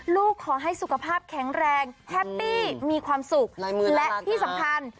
ขอให้สุขภาพแข็งแรงแฮปปี้มีความสุขและที่สำคัญ